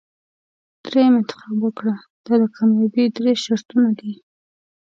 دریم انتخاب وکړه دا د کامیابۍ درې شرطونه دي.